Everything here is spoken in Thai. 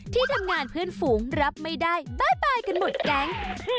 ที่ทำงานเพื่อนฝูงรับไม่ได้บ้าตายกันหมดแก๊ง